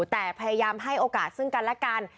แต่พยายามให้โอกาสซึ่งกันและกัน